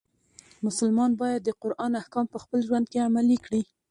مسلمان باید د قرآن احکام په خپل ژوند کې عملی کړي.